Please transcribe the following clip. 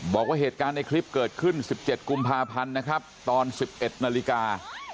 บอกว่าเหตุการณ์ในคลิปเกิดขึ้น๑๗กุมภาพันธ์นะครับตอน๑๑นาฬิกา